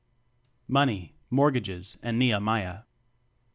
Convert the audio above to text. Money, Mortgages and Nehemiah.